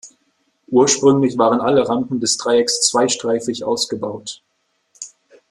Ursprünglich waren alle Rampen des Dreiecks zweistreifig ausgebaut.